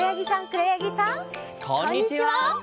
こんにちは！